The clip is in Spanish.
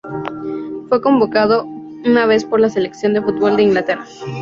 Fue convocado una vez por la selección de fútbol de Inglaterra.